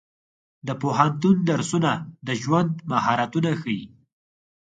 د پوهنتون درسونه د ژوند مهارتونه ښيي.